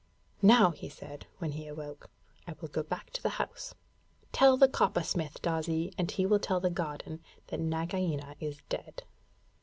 'Now,' he said, when he awoke, 'I will go back to the house. Tell the Coppersmith, Darzee, and he will tell the garden that Nagaina is dead.'